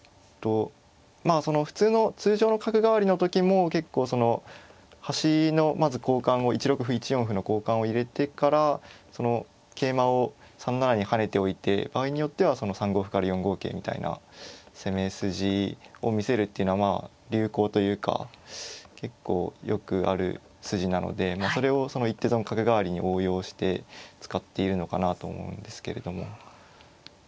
まあその普通の通常の角換わりの時も結構その端のまず交換を１六歩１四歩の交換を入れてからその桂馬を３七に跳ねておいて場合によってはその３五歩から４五桂みたいな攻め筋を見せるっていうのはまあ流行というか結構よくある筋なのでそれをその一手損角換わりに応用して使っているのかなと思うんですけれども。